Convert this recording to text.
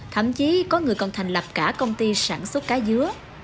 thậm chí có người còn thành lập cả công ty sản xuất cá dứa